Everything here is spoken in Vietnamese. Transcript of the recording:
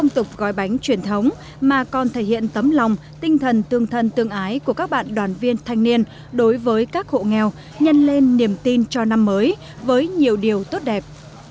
ngoài bánh tết thì các bạn đoàn viên thanh niên đối với các hộ nghèo nhận lên niềm tin cho năm mới với nhiều điều tốt đẹp